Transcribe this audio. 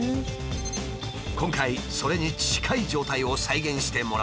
今回それに近い状態を再現してもらった。